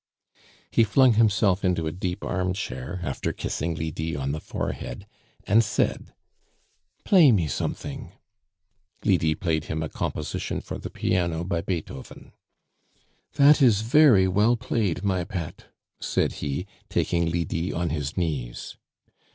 He flung himself into a deep armchair, after kissing Lydie on the forehead, and said: "Play me something." Lydie played him a composition for the piano by Beethoven. "That is very well played, my pet," said he, taking Lydie on his knees.